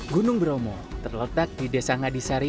gunung bromo terletak di desa ngadisari